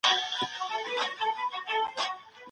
د غلام د زوی پوښتنې ته ځو.